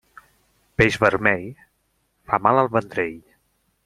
Peix vermell fa mal al ventrell.